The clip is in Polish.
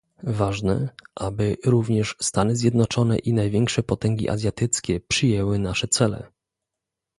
Ważne, aby również Stany Zjednoczone i największe potęgi azjatyckie przyjęły nasze cele